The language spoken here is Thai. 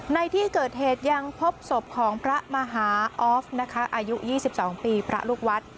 ในที่เกิดเหตุยังพบศพของพระมหาออฟนะคะอายุ๒๒ปีพระลูกวัด